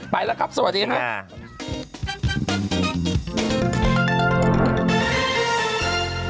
ไปแล้วครับสวัสดีครับ